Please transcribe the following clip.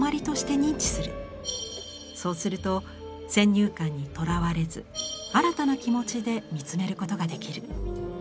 そうすると先入観にとらわれず新たな気持ちで見つめることができる。